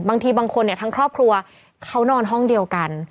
บางทีบางคนเนี่ยทั้งครอบครัวเขานอนห้องเดียวกัน